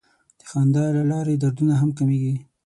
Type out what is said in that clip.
د خندا له لارې دردونه هم کمېږي.